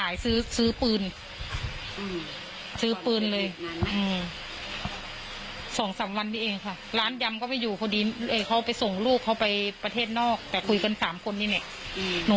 อย่างนี้คือเขาถ้าเขาเนี่ยไม่วางแผนไว้ทำไมต้องขายทองซื้อล่วงหน้า